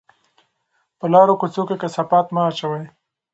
په لارو کوڅو کې کثافات مه اچوئ.